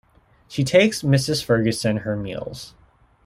She takes Mrs. Ferguson her meals.